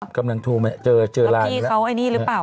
กำลังโทรมาเจอเจอร่างพี่เขาไอ้นี่หรือเปล่า